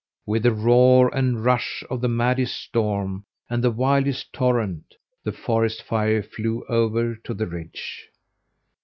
With the roar and rush of the maddest storm and the wildest torrent the forest fire flew over to the ridge.